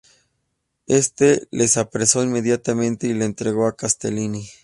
Este los apresó inmediatamente y los entregó a Castelli.